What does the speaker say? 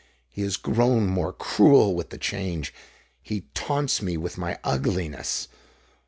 He has grown more cruel with the change. He taunts me with my ugliness.